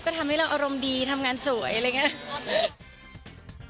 ก็ทำให้เราอารมณ์ดีทำงานสวย